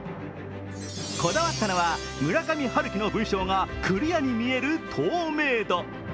こだわったのは村上春樹の文章がクリアに見える透明度。